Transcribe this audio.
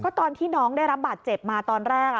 ตอนที่น้องได้รับบาดเจ็บมาตอนแรก